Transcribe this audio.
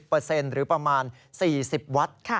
๖๐เปอร์เซ็นต์หรือประมาณ๔๐วัตต์